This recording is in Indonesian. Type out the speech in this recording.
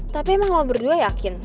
tapi emang lo berdua yakin